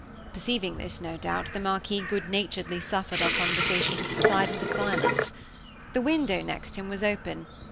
Perceiving this, no doubt, the Marquis good naturedly suffered our conversation to subside into silence. The window next him was open.